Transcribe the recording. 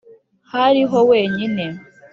hariho wenyine.